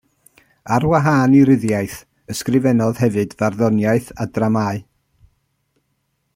Ar wahân i ryddiaith ysgrifennodd hefyd farddoniaeth a dramâu.